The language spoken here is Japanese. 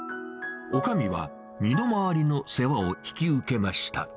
おかみは身の回りの世話を引き受けました。